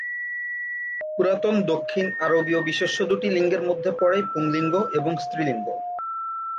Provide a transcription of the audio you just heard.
পুরাতন দক্ষিণ আরবীয় বিশেষ্য দুটি লিঙ্গের মধ্যে পড়ে: পুংলিঙ্গ এবং স্ত্রীলিঙ্গ।